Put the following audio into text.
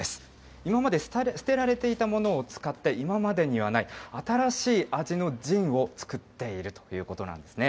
今まで捨てられていたものを使って今までにはない新しい味のジンを造っているということなんですね。